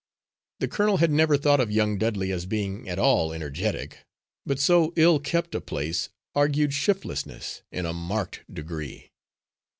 The colonel had never thought of young Dudley as being at all energetic, but so ill kept a place argued shiftlessness in a marked degree.